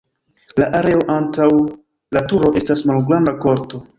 La areo antaŭ la turo estas malgranda korto.